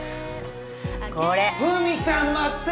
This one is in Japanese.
これふみちゃん待って！